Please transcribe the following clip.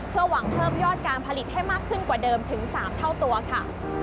เพื่อหวังเพิ่มยอดการผลิตให้มากขึ้นกว่าเดิมถึง๓เท่าตัวค่ะ